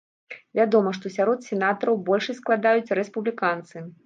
Вядома, што сярод сенатараў большасць складаюць рэспубліканцы.